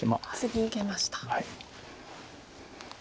受けました。